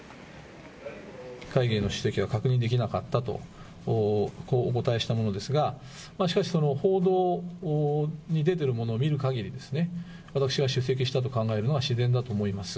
会議の出席は確認できなかったと、こうお答えしたものですが、しかしその報道に出てるものを見るかぎり、私は出席したと考えるのが自然だと思います。